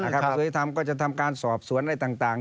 กระทรวงยุทธรรมก็จะทำการสอบสวนอะไรต่าง